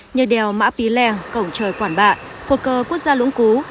như đèo mã pí lè cổng trời quản bạ phột cơ quốc gia lũng cú